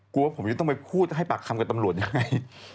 ว่าผมจะต้องไปพูดให้ปากคำกับตำรวจยังไง